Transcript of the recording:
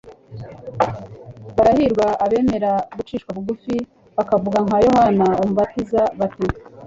Barahirwa abemera gucishwa bugufi, bakavuga nka Yohana Umubatiza bati,